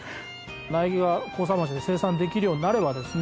苗木が甲佐町で生産できるようになればですね